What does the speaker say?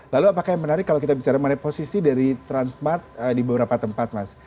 lalu apakah yang menarik kalau kita bicara mengenai posisi dari transmart di beberapa tempat mas